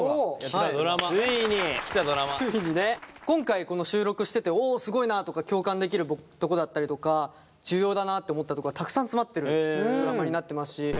今回この収録してておすごいなとか共感できるとこだったりとか重要だなって思ったとこがたくさん詰まってるドラマになってますし。